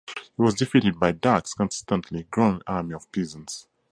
He was defeated by Dacke's constantly growing army of peasants.